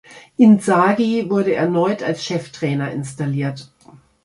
Inzaghi wurde erneut als Cheftrainer installiert.